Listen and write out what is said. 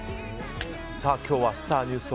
今日はスター☆ニュース